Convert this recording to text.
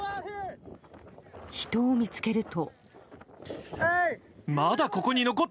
人を見つけると。